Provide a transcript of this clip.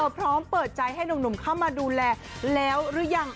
พร้อมเปิดใจให้หนุ่มเข้ามาดูแลแล้วหรือยัง